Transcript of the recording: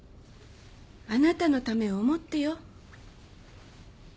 あなたのためを思ってよ